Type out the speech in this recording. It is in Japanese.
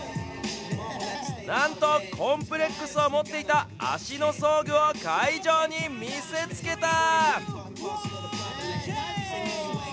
なんと、コンプレックスを持っていた足の装具を会場に見せつけた。